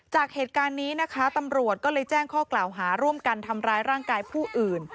จากเหตุการณ์นี้นะคะตำรวจก็เลยแจ้งข้อกล่าวหาร่วมกันทำร้ายร่างกายผู้อื่น